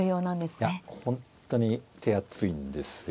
いや本当に手厚いんですよ。